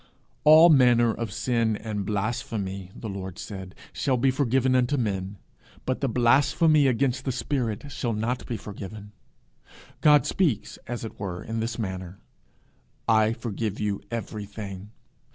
'All manner of sin and blasphemy,' the Lord said, 'shall be forgiven unto men; but the blasphemy against the spirit shall not be forgiven.' God speaks, as it were, in this manner: 'I forgive you everything.